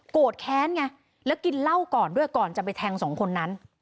แค้นไงแล้วกินเหล้าก่อนด้วยก่อนจะไปแทงสองคนนั้น